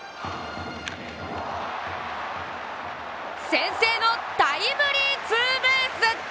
先制のタイムリーツーベース！